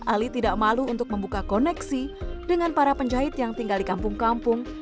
ali tidak malu untuk membuka koneksi dengan para penjahit yang tinggal di kampung kampung